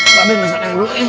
bapak bisa neng dulu nih